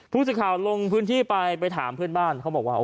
ผู้สื่อข่าวลงพื้นที่ไปไปถามเพื่อนบ้านเขาบอกว่า